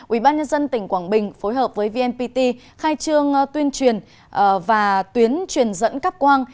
ubnd tỉnh quảng bình phối hợp với vnpt khai trương tuyên truyền và tuyến truyền dẫn cấp quang